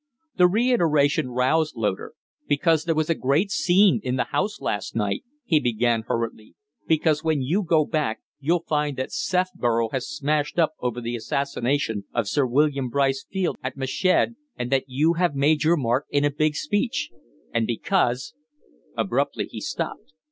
The reiteration roused Loder. "Because there was a great scene in the House last night," he began, hurriedly; "because when you go back you'll find that Sefborough has smashed up over the assassination of Sir William Brice Field at Meshed, and that you have made your mark in a big speech; and because " Abruptly he stopped.